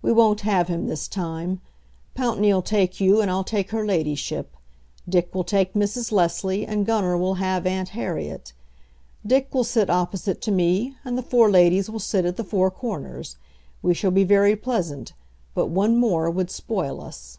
We won't have him this time. Pountney'll take you, and I'll take her ladyship. Dick will take Mrs. Leslie, and Gunner will have Aunt Harriet. Dick will sit opposite to me, and the four ladies will sit at the four corners. We shall be very pleasant, but one more would spoil us."